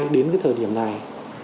đến cái thời điểm này